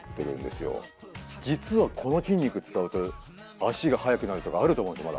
実はこの筋肉使うと足が速くなるとかあると思うんですよまだ。